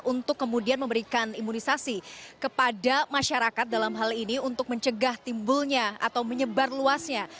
untuk kemudian memberikan imunisasi kepada masyarakat dalam hal ini untuk mencegah timbulnya atau menyebar luasnya